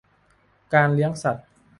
การเลี้ยงสัตว์